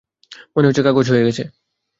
মনে হচ্ছে কাজ হয়ে গেছে।